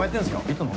いつも？